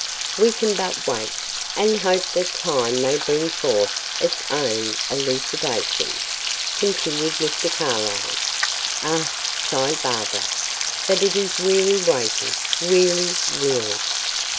"We can but wait, and hope that time may bring forth its own elucidation," continued Mr. Carlyle. "Ah," sighed Barbara, "but it is weary waiting weary, weary."